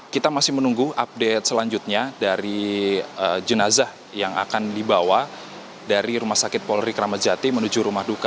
kita masih menunggu update selanjutnya dari jenazah yang akan dibawa dari rumah sakit polri kramat jati menuju rumah duka